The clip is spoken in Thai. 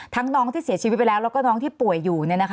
น้องที่เสียชีวิตไปแล้วแล้วก็น้องที่ป่วยอยู่